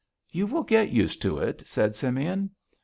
"You will get used to it," said Simeon.